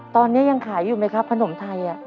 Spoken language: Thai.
ตอนนี้ยังขายอยู่ไหมครับขนมไทย